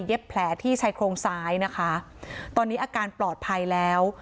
แผลที่ชายโครงซ้ายนะคะตอนนี้อาการปลอดภัยแล้ว